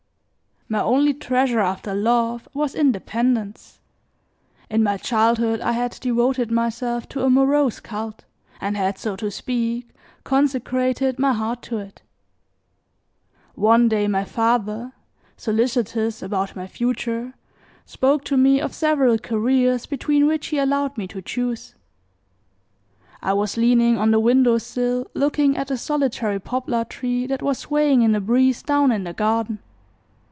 My only treasure after love, was independence. In my childhood I had devoted myself to a morose cult, and had, so to speak, consecrated my heart to it. One day my father, solicitous about my future, spoke to me of several careers between which he allowed me to choose. I was leaning on the window sill, looking at a solitary poplar tree that was swaying in the breeze down in the garden.